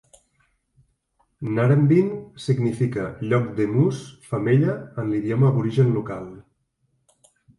Narembeen significa "lloc d'emús femella" en l'idioma aborigen local.